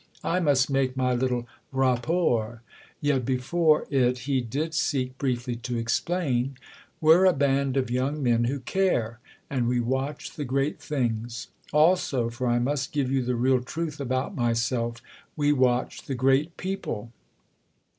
"I must make my little rapport." Yet before it he did seek briefly to explain. "We're a band of young men who care—and we watch the great things. Also—for I must give you the real truth about myself—we watch the great people."